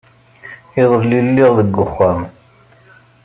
Iḍelli, lliɣ deg uxxam.